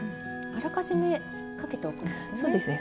あらかじめかけておくんですね。